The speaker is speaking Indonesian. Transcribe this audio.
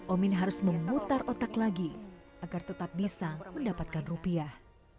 omin harus memutar otak lagi agar tetap bisa mendapatkan rupiah